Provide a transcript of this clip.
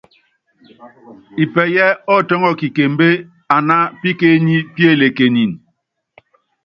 Ipɛyɛ́ ɔ́ tɔ́ŋɔ kikembé aná pikenípíelekinin.